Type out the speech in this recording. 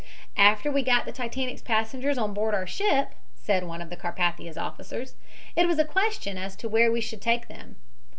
"After we got the Titanic's passengers on board our ship," said one of the Carpathia's officers, "it was a question as to where we should take them.